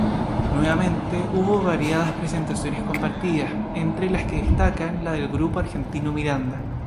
Nuevamente, hubo variadas presentaciones compartidas, entre las que destacan la del grupo argentino Miranda!